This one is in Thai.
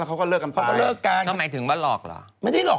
แล้วเขาก็เลิกกันไปเขาก็เลิกกันก็หมายถึงว่าหลอกเหรอไม่ได้หรอก